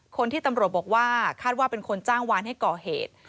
คนที่ตำรวจบอกว่าคาดว่าเป็นคนจ้างวานให้ก่อเหตุ